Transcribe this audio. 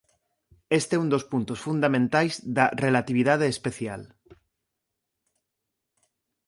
Este é un dos puntos fundamentais da relatividade especial.